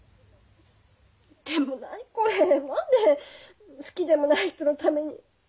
でも何これ何で好きでもない人のために。